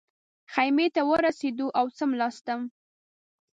خیمې ته ورسېدو او څملاستم.